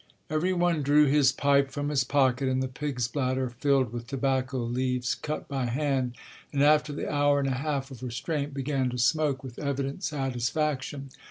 Everyone drew his pipe from his pocket, and the pig's bladder filled with tobacco leaves cut by hand, and, after the hour and a half of restraint, began to smoke with evident satisfaction.